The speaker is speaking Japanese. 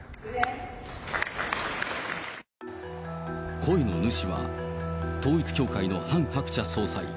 声の主は、統一教会のハン・ハクチャ総裁。